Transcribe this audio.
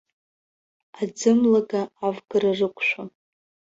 Аӡымлага авгара рықәшәон.